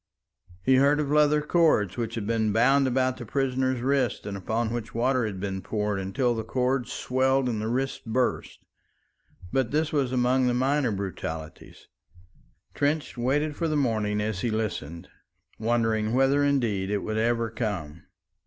He heard of leather cords which had been bound about the prisoner's wrists, and upon which water had been poured until the cords swelled and the wrists burst, but this was among the minor brutalities. Trench waited for the morning as he listened, wondering whether indeed it would ever come.